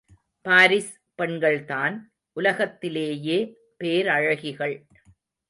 Paris பெண்கள்தான் உலகத்திலேயே பேரழகிகள்.